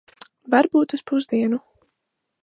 Varbūt uz pusdienu.